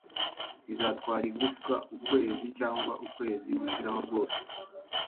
Bizatwara igufwa ukwezi cyangwa ukwezi gushiraho rwose